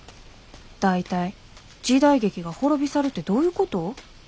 大体時代劇が滅び去るてどういうこと？